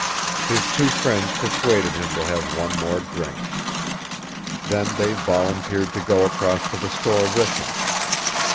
His two friends persuaded him to have one more drink. Then they volunteered to go across to the store with him.